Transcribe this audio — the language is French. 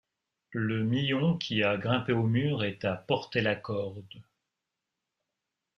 Le mion qui a grimpé au mur et t’a porté la corde.